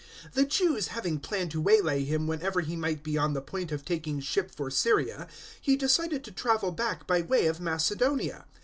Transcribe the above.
020:003 The Jews having planned to waylay him whenever he might be on the point of taking ship for Syria, he decided to travel back by way of Macedonia.